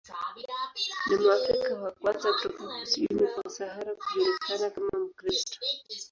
Ni Mwafrika wa kwanza kutoka kusini kwa Sahara kujulikana kama Mkristo.